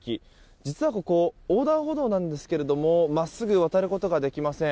実はここ、横断歩道なんですが真っすぐ渡ることができません。